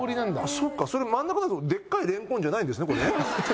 そっかそれ真ん中のでっかいレンコンじゃないんですね。